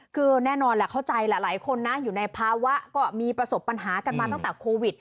คือแน่นอนแหละเข้าใจหลายคนนะอยู่ในภาวะก็มีประสบปัญหากันมาตั้งแต่โควิด